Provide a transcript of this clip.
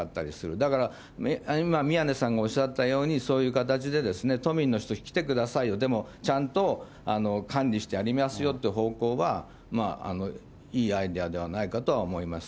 だから、今、宮根さんがおっしゃったように、そういう形で、都民の人に来てくださいよ、でもちゃんと管理してやりますよっていう方向は、いいアイデアではないかとは思います。